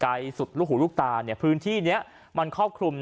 สุดลูกหูลูกตาเนี่ยพื้นที่นี้มันครอบคลุม